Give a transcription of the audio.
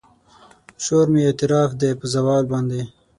شور مې اعتراف دی په زوال باندې